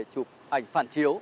chụp ảnh phản chiếu